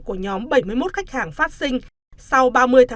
của nhóm bảy mươi một khách hàng phát sinh sau ba mươi sáu hai nghìn một mươi bảy